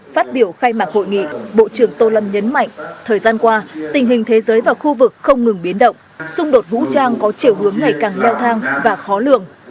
phát biểu khai mạc hội nghị bộ trưởng tô lâm nhấn mạnh thời gian qua tình hình thế giới và khu vực không ngừng biến động xung đột vũ trang có chiều hướng ngày càng leo thang và khó lường